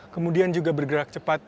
kemudian juga bergerak cepat